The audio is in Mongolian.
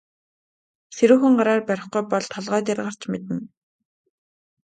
Ширүүхэн гараар барихгүй бол толгой дээр гарч мэднэ.